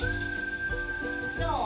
どう？